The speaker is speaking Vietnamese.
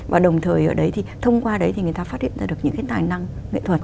và đồng thời ở đấy thì thông qua đấy thì người ta phát hiện ra được những cái tài năng nghệ thuật